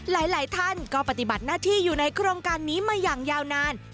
หลายท่านก็ปฏิบัติหน้าที่อยู่ในโครงการนี้มาอย่างยาวนาน